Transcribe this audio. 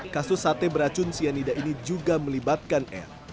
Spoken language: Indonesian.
kasus sate beracun cyanida ini juga melibatkan r